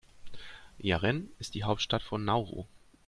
Yaren ist die Hauptstadt von Nauru.